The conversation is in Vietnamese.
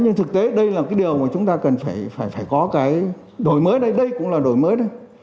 nhưng thực tế đây là cái điều mà chúng ta cần phải có cái đổi mới đây đây cũng là đổi mới đây